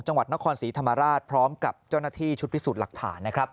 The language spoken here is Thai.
จังหวัดนครศรีธรรมราชพร้อมกับเจ้าหน้าที่ชุดพิสูจน์หลักฐานนะครับ